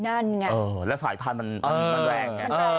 นั่นไงแล้วสายพันธุ์มันแรงไง